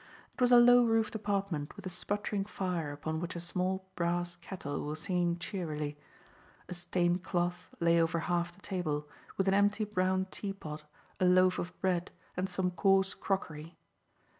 It was a low roofed apartment with a sputtering fire upon which a small brass kettle was singing cheerily. A stained cloth lay over half the table, with an empty brown teapot, a loaf of bread, and some coarse crockery.